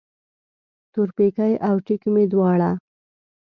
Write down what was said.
تورپیکی او ټیک مې دواړه